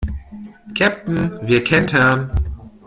Käpt'n, wir kentern!